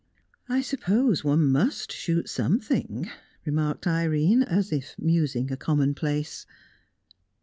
"I suppose one must shoot something," remarked Irene, as if musing a commonplace.